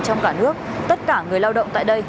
trong cả nước tất cả người lao động tại đây